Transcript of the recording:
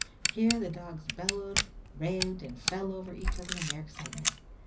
Here the dogs bellowed, raved, and fell over each other in their excitement.